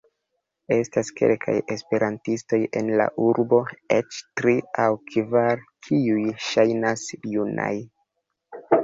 Estas kelkaj Esperantistoj en la urbo, eĉ tri aŭ kvar kiuj ŝajnas junaj.